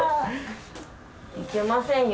いけませんよ。